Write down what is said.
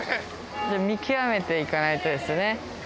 見極めて行かないとですね。